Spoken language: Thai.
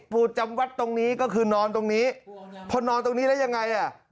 ปูจำวัดตรงนี้ก็คือนอนตรงนี้พอนอนตรงนี้แล้วยังไงอ่ะ